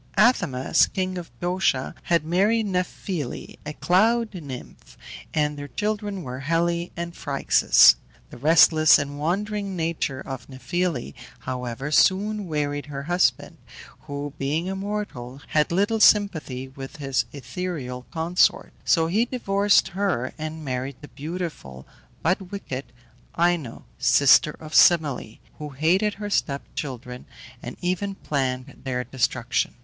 Athamas, king of Boeotia, had married Nephele, a cloud nymph, and their children were Helle and Phryxus. The restless and wandering nature of Nephele, however, soon wearied her husband, who, being a mortal, had little sympathy with his ethereal consort; so he divorced her, and married the beautiful but wicked Ino (sister of Semele), who hated her step children, and even planned their destruction.